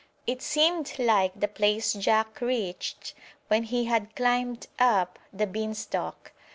It seemed like the place Jack reached when he had climbed up the beanstalk.